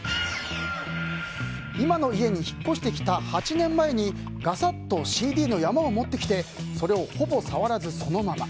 今の家に引っ越してきた８年前にガサッとＣＤの山を持ってきてそれをほぼ触らずそのまま。